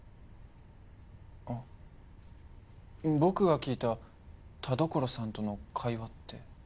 あっ僕が聞いた田所さんとの会話って？